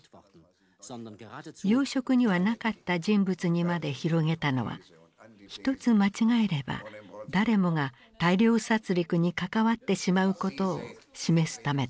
要職にはなかった人物にまで広げたのは一つ間違えれば誰もが大量殺りくに関わってしまうことを示すためだった。